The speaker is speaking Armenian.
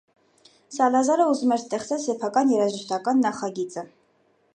Սալազարը ուզում էր ստեղծել սեփական երաժշտական նախագիծը։